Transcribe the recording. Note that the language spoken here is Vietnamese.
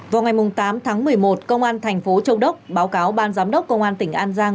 vào ngày tám tháng một mươi một công an thành phố châu đốc báo cáo ban giám đốc công an tỉnh an giang